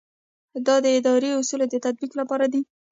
دا د اداري اصولو د تطبیق لپاره دی.